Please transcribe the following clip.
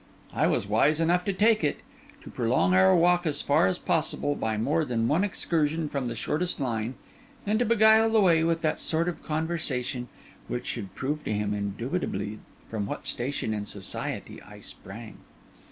I was wise enough to take it; to prolong our walk as far as possible, by more than one excursion from the shortest line; and to beguile the way with that sort of conversation which should prove to him indubitably from what station in society I sprang.